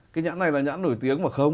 cái nhãn này là nhãn nổi tiếng mà không